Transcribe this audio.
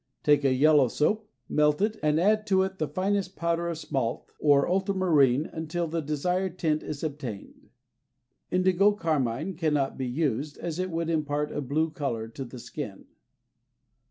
Take a yellow soap, melt it, and add to it the finest powder of smalt or ultramarine until the desired tint is obtained. Indigo carmine cannot be used, as it would impart a blue color to the skin.